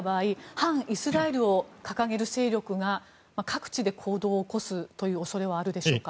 反イスラエルを掲げる勢力が各地で行動を起こす恐れはあるでしょうか。